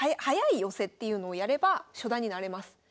速い寄せっていうのをやれば初段になれます。